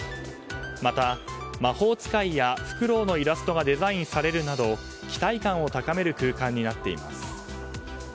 また魔法使いやフクロウのイラストがデザインされるなど期待感を高める空間になっています。